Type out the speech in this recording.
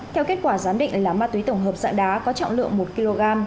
theo kết quả giám định là ma túy tổng hợp dạng đá có trọng lượng một kg